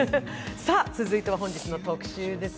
続いては本日の特集です。